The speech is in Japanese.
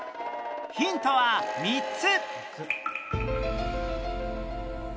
ヒントは３つ